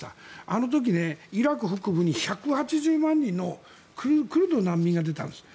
あの時、イラク北部に１８０万人のクルド難民が出たんです。